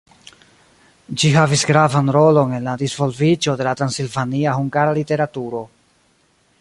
Ĝi havis gravan rolon en la disvolviĝo de la transilvania hungara literaturo.